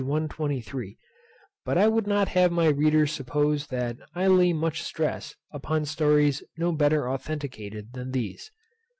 123: But I would not have my readers suppose that I lay much stress upon stories no better authenticated than these.